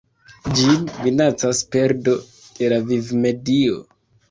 Ĝin minacas perdo de la vivmedio.